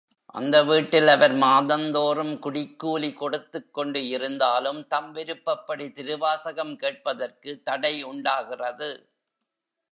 அந்த வீட்டில் அவர் மாதந்தோறும் குடிக்கூலி கொடுத்துக் கொண்டு இருந்தாலும், தம் விருப்பப்படி திருவாசகம் கேட்பதற்கு தடை உண்டாகிறது.